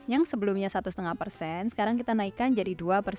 yang sebelumnya satu lima persen sekarang kita naikkan jadi dua persen